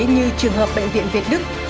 như trường hợp bệnh viện việt đức